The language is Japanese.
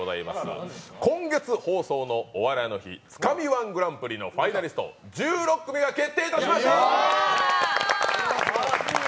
今月放送の「お笑いの日」「つかみ−１グランプリ」のファイナリスト、１６組が決定いたしました！